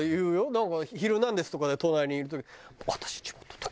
なんか『ヒルナンデス！』とかで隣にいる時に。